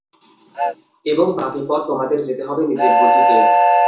এবং বাকি পথ তোমাদের যেতে হবে নিজের বুদ্ধিতে।